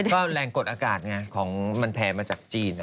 ก็แรงกฎอากาศมาจากจีน